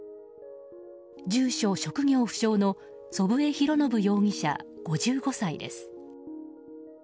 住所・職業不詳の祖父江博伸容疑者、５５歳です。